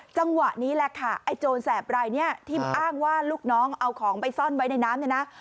จังหวะนี้แหละค่ะไอ้โจรแสบรายนี้ที่อ้างว่าลูกน้องเอาของไปซ่อนไว้ในน้ำเนี่ยนะ